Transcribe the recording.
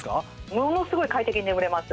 ものすごい快適に眠れます。